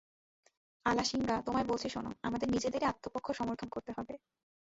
আলাসিঙ্গা, তোমায় বলছি শোন, তোমাদের নিজেদেরই আত্মপক্ষ সমর্থন করতে হবে।